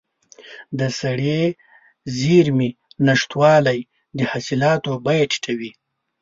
د سړې زېرمې نشتوالی د حاصلاتو بیه ټیټوي.